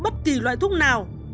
bất kỳ loại thuốc nào